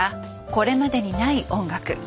これまでにない音楽。